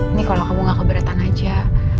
ini kalau kamu gak keberatan aja